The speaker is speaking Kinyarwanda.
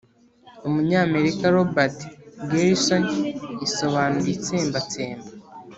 umunyamerika Robert Gersony isobanura itsembatsemba